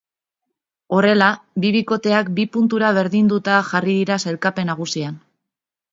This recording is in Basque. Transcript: Horrela, bi bikoteak bi puntura berdinduta jarri dira sailkapen nagusian.